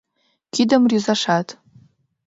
Кидым рӱзашат.